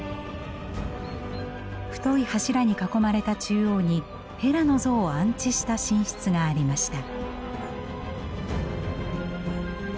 太い柱に囲まれた中央にヘラの像を安置した神室がありました。